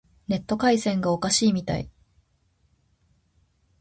ネット回線がおかしいみたい。